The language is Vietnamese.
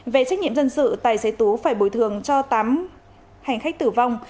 về trách nhiệm dân sự tài xế tú phải bồi thường cho tám hành khách tử vong